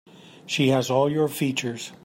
She has all your features.